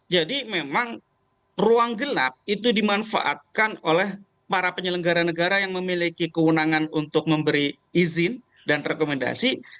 jadi memang ruang gelap itu dimanfaatkan oleh para penyelenggara negara yang memiliki kewenangan untuk memberi izin dan rekomendasi